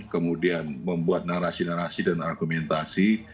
kemudian membuat narasi narasi dan argumentasi